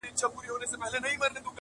د یوې ورځي لګښت خواست یې ترې وکړ؛